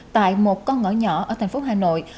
tại một con ngõ nhỏ ở thành phố hà nội